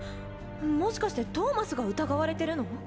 もしかしてトーマスが疑われてるの？